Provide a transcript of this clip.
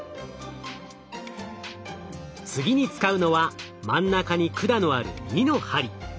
次に使うのは真ん中に管のある２の針。